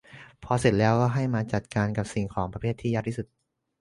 พอเสร็จแล้วก็ให้มาจัดการกับสิ่งของประเภทที่ยากที่สุด